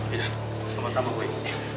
iya sama sama wik